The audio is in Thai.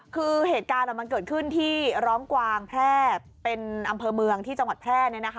คือเหตุการณ์มันเกิดขึ้นที่ร้องกวางแพร่เป็นอำเภอเมืองที่จังหวัดแพร่